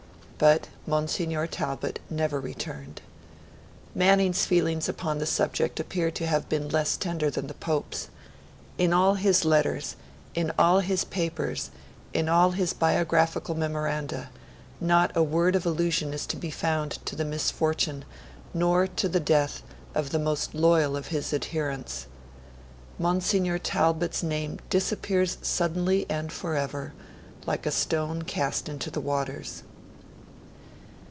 But Monsignor Talbot never returned. Manning's feelings upon the subject appear to have been less tender than the Pope's. In all his letters, in all his papers, in all his biographical memoranda, not a word of allusion is to be found to the misfortune, nor to the death, of the most loyal of his adherents. Monsignor Talbot's name disappears suddenly and for ever like a stone cast into the waters.